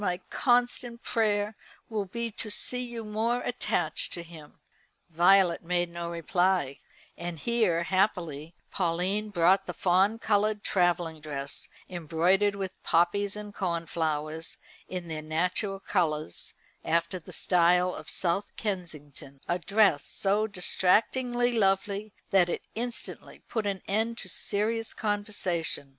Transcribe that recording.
my constant prayer will be to see you more attached to him." Violet made no reply, and here happily Pauline brought the fawn coloured travelling dress, embroidered with poppies and cornflowers in their natural colours, after the style of South Kensington, a dress so distractingly lovely that it instantly put an end to serious conversation.